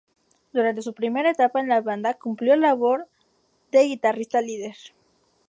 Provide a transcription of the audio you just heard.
Durante su primera etapa en la banda cumplió la labor de guitarrista líder.